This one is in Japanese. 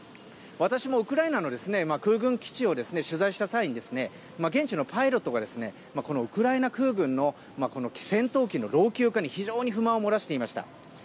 私もウクライナの空軍基地を取材した際に現地のパイロットがウクライナ空軍の戦闘機の老朽化に非常に不満を漏らしていました。